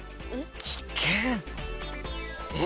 危険。え？